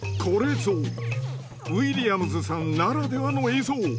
これぞウィリアムズさんならではの映像。